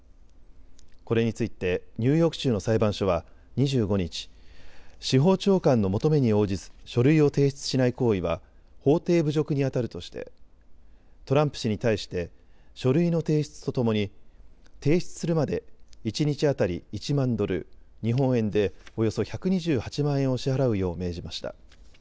これについてニューヨーク州の裁判所は２５日、司法長官の求めに応じず書類を提出しない行為は法廷侮辱に当たるとしてトランプ氏に対して書類の提出とともに提出するまで一日当たり１万ドル、日本円でおよそ１２８万円を支払うよう命じました。